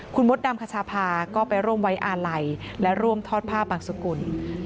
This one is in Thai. คุณมดดำคชาพาก็ไปร่วมไว้อาลัยและร่วมทอดผ้าบางสกุล